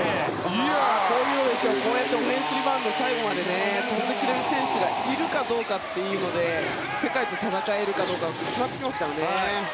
こうやってオフェンスリバウンド最後までやってくれる選手がいるかで世界と戦えるかどうかが決まってきますからね。